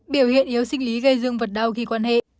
biểu hiện yếu sinh lý gây dương vật đau khi quan hệ